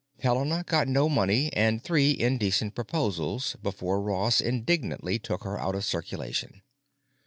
Helena got no money and three indecent proposals before Ross indignantly took her out of circulation.